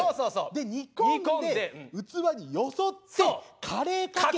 で煮込んで器によそってカレーかけて。